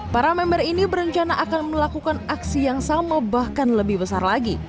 para member ini berencana akan melakukan aksi yang sama bahkan lebih besar lagi